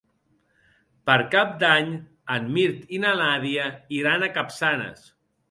Per Cap d'Any en Mirt i na Nàdia iran a Capçanes.